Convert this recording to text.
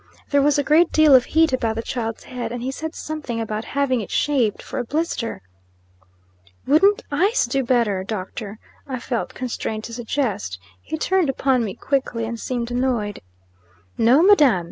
There was a great deal of heat about the child's head, and he said something about having it shaved for a blister. "Wouldn't ice do better, doctor?" I felt constrained to suggest. He turned upon me quickly and seemed annoyed. "No, madam!"